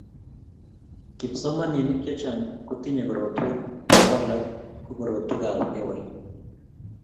kipsomaninik chechang kotinyei korotwek ako ala ko korotwek ap ewait